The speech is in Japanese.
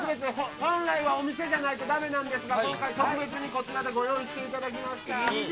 本来はお店じゃないとだめなんですが今回特別にこちらで用意してもらいました。